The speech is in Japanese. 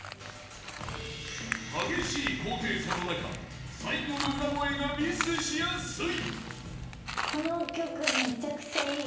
［激しい高低差の中最後の裏声がミスしやすい］